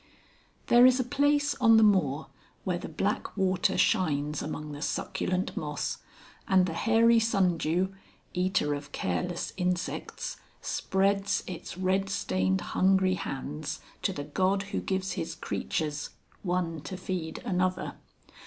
There is a place on the moor where the black water shines among the succulent moss, and the hairy sundew, eater of careless insects, spreads its red stained hungry hands to the God who gives his creatures one to feed another.